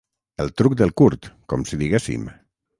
El truc del curt, com si diguéssim.